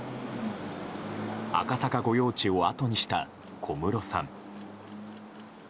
赤坂御用地をあとにした小室さん。